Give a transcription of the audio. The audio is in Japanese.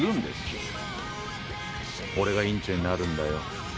俺が院長になるんだよ。